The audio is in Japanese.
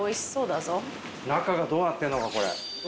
中がどうなってんのかこれ。